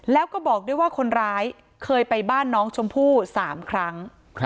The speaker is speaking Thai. แล้วก็บอกด้วยว่าคนร้ายเคยไปบ้านน้องชมพู่๓ครั้ง